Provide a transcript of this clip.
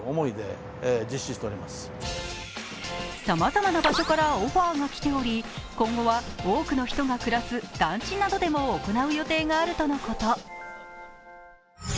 さまざまな場所からオファーがきており今後は多くの人が暮らす団地などでも行う予定があるとのこと。